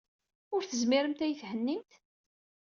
Ur tezmiremt ad iyi-thennimt?